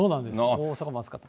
大阪も暑かった。